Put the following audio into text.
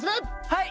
はい！